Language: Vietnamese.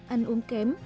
ăn uống kém